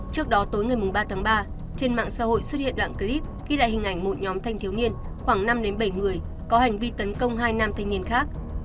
trước đó tối ngày ba tháng ba trên mạng xã hội xuất hiện đoạn clip ghi lại hình ảnh một nhóm thanh thiếu niên khoảng năm bảy người có hành vi tấn công hai nam thanh niên khác